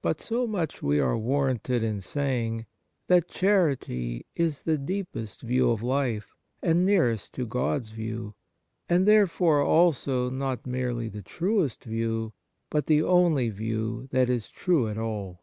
But so much w^e are warranted in saying, that charity is the deepest view of life, and nearest to God's view, and therefore also not merely the truest view, but the only view that is true at all.